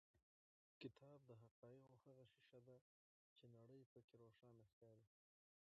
کتاب د حقایقو هغه ښیښه ده چې نړۍ په کې روښانه ښکاري.